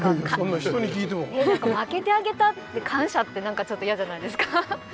いや何か負けてあげたって感謝って何かちょっと嫌じゃないですか。